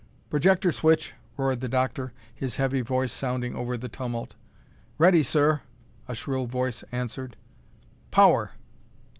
"Projector switch!" roared the doctor, his heavy voice sounding over the tumult. "Ready, sir!" a shrill voice answered. "Power!"